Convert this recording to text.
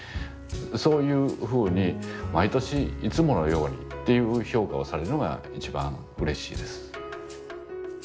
そういうふうに毎年「いつものように」っていう評価をされるのが一番うれしいです。